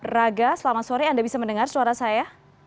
raga selamat sore anda bisa mendengar suara saya